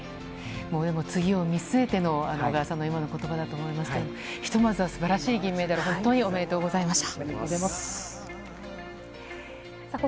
でも次を見据えての小川さんの今のことばだと思いますけれども、ひとまずはすばらしい銀メダル、本当におめでとうございました。